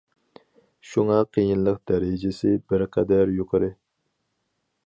شۇڭا قىيىنلىق دەرىجىسى بىر قەدەر يۇقىرى.